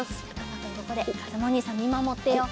ここでかずむおにいさんみまもってよう。